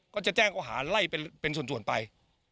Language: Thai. ก็จะแจ้งโอหาร่ายเป็นส่วนไป